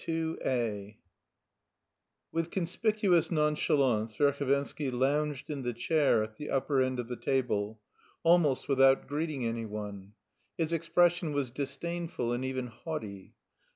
II With conspicuous nonchalance Verhovensky lounged in the chair at the upper end of the table, almost without greeting anyone. His expression was disdainful and even haughty.